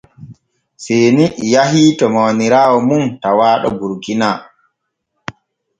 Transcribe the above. Seeni yahii to mawniraawo mum tawaaɗo Burkina.